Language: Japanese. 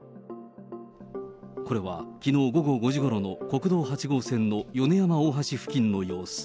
これはきのう午後５時ごろの国道８号線の米山大橋付近の様子。